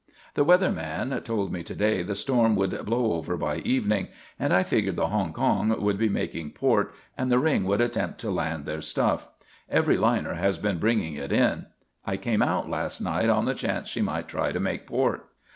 "The weather man told me to day the storm would blow over by evening and I figured the Hongkong would be making port and the ring would attempt to land their stuff; every liner has been bringing it in. I came out last night on the chance she might try to make port.